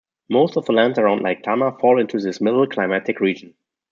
Most of the lands around Lake Tana fall into this middle climatic region.